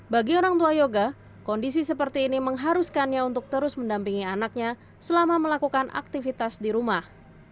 bagi orang tua yoga kondisi seperti ini mengharuskannya untuk terus mendampingi anaknya selama melakukan aktivitas di rumah